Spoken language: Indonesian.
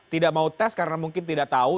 tidak mau tes karena mungkin tidak tahu